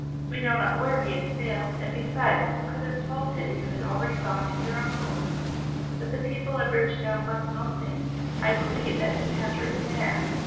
We know not where he has sailed, and besides, who could have told him you had already gone to your uncle? But the people at Bridgetown must know things. I believe that he has written there."